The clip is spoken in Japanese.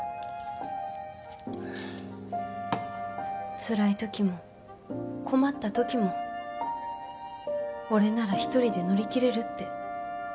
つらい時も困った時も俺なら一人で乗り切れるって。